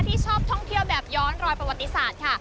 ที่ชอบท่องเที่ยวแบบย้อนรอยประวัติศาสตร์ค่ะ